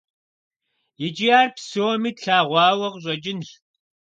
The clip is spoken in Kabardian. Икӏи ар псоми тлъэгъуауэ къыщӏэкӏынщ.